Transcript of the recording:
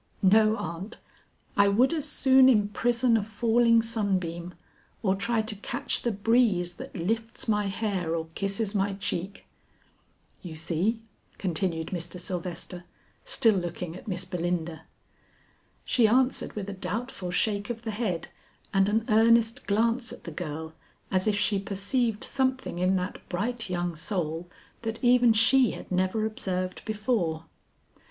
"No aunt, I would as soon imprison a falling sunbeam or try to catch the breeze that lifts my hair or kisses my cheek." "You see," continued Mr. Sylvester still looking at Miss Belinda. She answered with a doubtful shake of the head and an earnest glance at the girl as if she perceived something in that bright young soul, that even she had never observed before.